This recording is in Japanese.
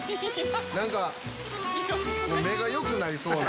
何か目が良くなりそうな。